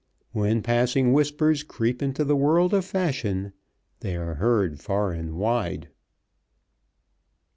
When passing whispers creep into the world of fashion they are heard far and wide.